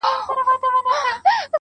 ما درته وژړل، ستا نه د دې لپاره.